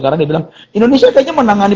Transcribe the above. karena dia bilang indonesia kayaknya menangani